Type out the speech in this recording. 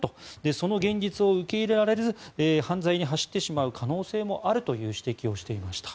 その現実を受け入れられず犯罪に走ってしまう可能性もあるという指摘をしていました。